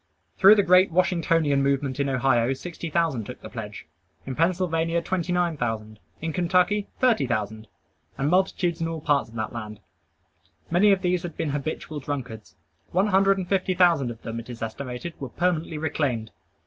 Through the great Washingtonian movement in Ohio, sixty thousand took the pledge. In Pennsylvania, twenty nine thousand. In Kentucky, thirty thousand, and multitudes in all parts of the land. Many of these had been habitual drunkards. One hundred and fifty thousand of them, it is estimated, were permanently reclaimed.